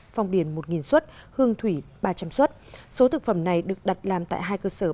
phong điền một suất hương thủy ba trăm linh suất số thực phẩm này được đặt làm tại hai cơ sở